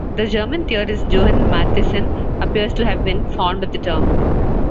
The German theorist Johann Mattheson appears to have been fond of the term.